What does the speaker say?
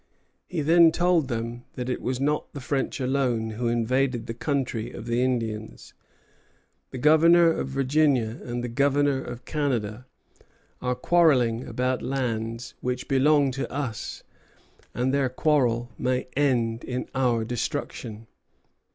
He then told them that it was not the French alone who invaded the country of the Indians. "The Governor of Virginia and the Governor of Canada are quarrelling about lands which belong to us, and their quarrel may end in our destruction."